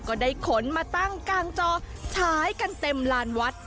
ก็ได้ขนมาตั้งกลางจอฉายกันเต็มลานวัด